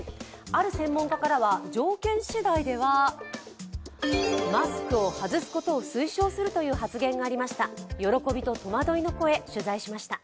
ある専門家からは、条件しだいではマスクを外すことを推奨するという発言がありました。